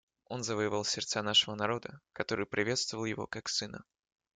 Он завоевал сердца нашего народа, который приветствовал его как сына.